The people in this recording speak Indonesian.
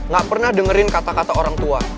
gak pernah dengerin kata kata orang tua